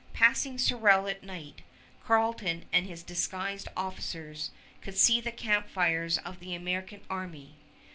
Passing Sorel at night Carleton and his disguised officers could see the camp fires of the American army.